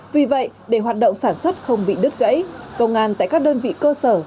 vì vậy để hoạt động sản xuất không bị đứt gãy công an tại các đơn vị cơ sở